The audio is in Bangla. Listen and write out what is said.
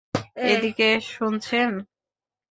এদিকে, শুনছেন!